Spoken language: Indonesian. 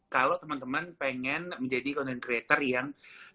kalau temen temen pengen menjadi content creator yang